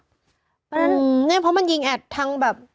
เพราะว่ามันยิงแอดทางแบบ